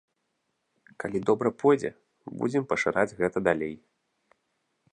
Калі добра пойдзе, будзем пашыраць гэта далей.